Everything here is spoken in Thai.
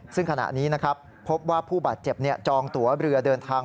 ซึ่งขณะนี้นะครับพบว่าผู้บาดเจ็บจองตัวเรือเดินทาง